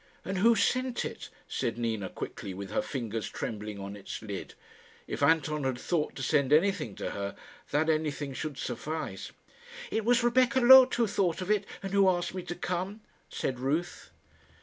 "And who sent it?" said Nina, quickly, with her fingers trembling on its lid. If Anton had thought to send anything to her, that anything should suffice. "It was Rebecca Loth who thought of it, and who asked me to come," said Ruth.